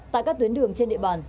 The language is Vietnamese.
tại các tuyến đường trên địa bàn